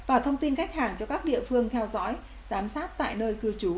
và thông tin khách hàng cho các địa phương theo dõi giám sát tại nơi cư trú